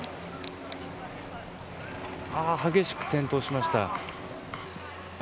激しく転倒しました。